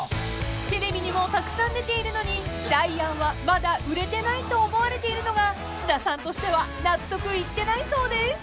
［テレビにもたくさん出ているのにダイアンはまだ売れてないと思われているのが津田さんとしては納得いってないそうです］